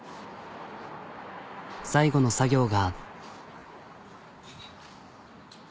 最後の作業が。